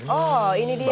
oh ini dia